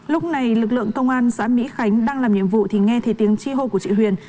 lúc này lực lượng công an xã mỹ khánh đang làm nhiệm vụ thì nghe thấy tiếng chi hô của chị huyền